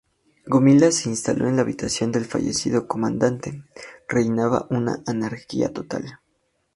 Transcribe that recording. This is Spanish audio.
Gomila se instaló en la habitación del fallecido comandante; reinaba una anarquía total.